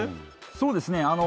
そうですね。